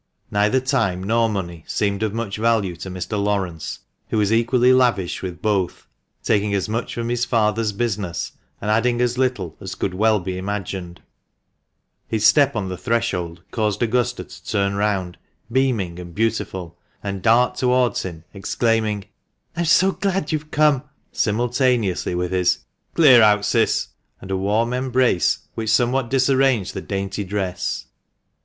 Neither time nor money seemed of much value to Mr. Laurence, who was equally lavish with both, taking as much from his father's business and adding as little as could well be imagined. His step THE MANCHESTER MAN. 401 on the threshold caused Augusta to turn round, beaming and beautiful, and dart towards him, exclaiming —" I'm so glad you've come !" simultaneously with his " Clear out, Cis !" and a warm embrace which somewhat disarranged the dainty dress.